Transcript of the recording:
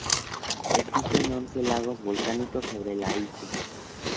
Existen once lagos volcánicos sobre la isla.